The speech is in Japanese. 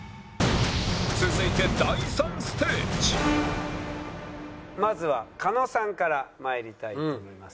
続いてまずは狩野さんから参りたいと思います。